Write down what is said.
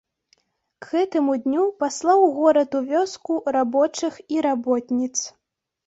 К гэтаму дню паслаў горад у вёску рабочых і работніц.